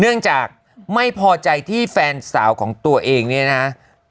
เนื่องจากไม่พอใจที่แฟนสาวของตัวเองเนี่ยนะฮะ